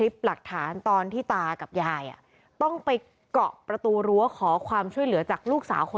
ไปตลาดไปตลาดโดยชื่ออะไร